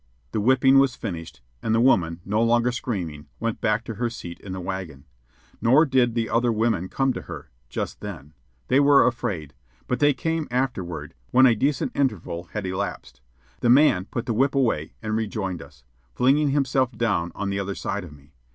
The whipping was finished, and the woman, no longer screaming, went back to her seat in the wagon. Nor did the other women come to her just then. They were afraid. But they came afterward, when a decent interval had elapsed. The man put the whip away and rejoined us, flinging himself down on the other side of me.